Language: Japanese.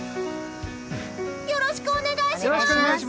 よろしくお願いします！